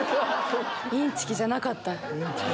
インチキじゃなかった。